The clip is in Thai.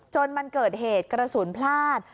จนมันเกิดเหตุกระสุนพลาด